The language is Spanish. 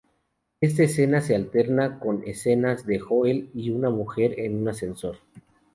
Esta escena se alterna con escenas de Joel y una mujer en un ascensor.